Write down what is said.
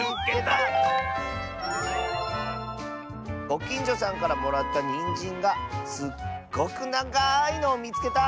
「ごきんじょさんからもらったにんじんがすっごくながいのをみつけた！」。